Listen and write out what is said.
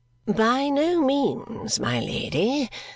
"By no means, my Lady.